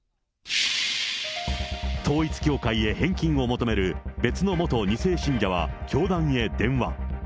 統一教会へ返金を求める別の元２世信者は教団へ電話。